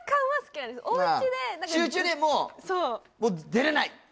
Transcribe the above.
お家でもう出れない